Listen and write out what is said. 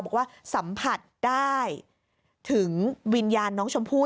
บอกว่าสัมผัสได้ถึงวิญญาณน้องชมพู่